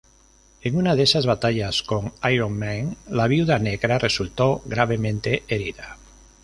En una de sus batallas con Iron Man, la Viuda Negra resultó gravemente herida.